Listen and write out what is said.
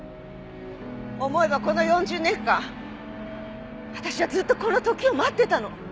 思えばこの４０年間私はずっとこの時を待ってたの。